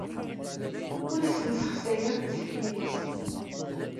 Ur asent-ssexsayeɣ tisfiwin-nsent.